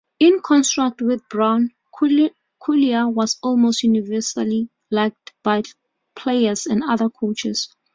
In contrast with Brown, Collier was almost universally liked by players and other coaches.